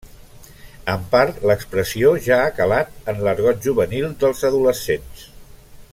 En part, l'expressió ja ha calat en l'argot juvenil dels adolescents.